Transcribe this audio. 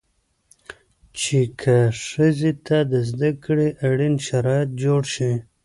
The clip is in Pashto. چې که ښځې ته د زده کړې اړين شرايط جوړ شي